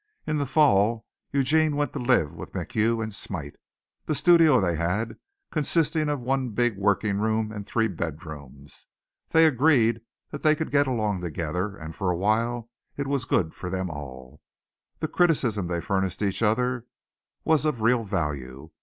In the fall Eugene went to live with McHugh and Smite, the studio they had consisting of one big working room and three bed rooms. They agreed that they could get along together, and for a while it was good for them all. The criticism they furnished each other was of real value.